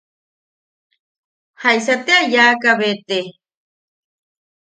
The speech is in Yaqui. ¿Jaisa te a yaaka be te?